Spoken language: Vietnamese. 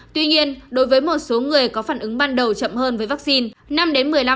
tuy nhiên đối với một số người có phản ứng ban đầu chậm hơn với vaccine